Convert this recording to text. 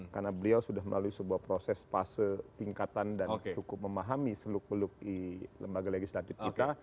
karena beliau sudah melalui sebuah proses fase tingkatan dan cukup memahami seluk beluk di lembaga legislatif kita